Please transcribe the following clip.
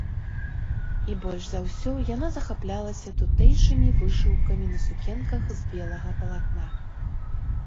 І больш за ўсё яна захаплялася тутэйшымі вышыўкамі на сукенках з белага палатна.